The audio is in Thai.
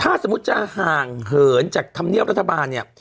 ถ้าสมมุติจะห่างเหินจากธรรมเนียบรัฐบาลเนี่ย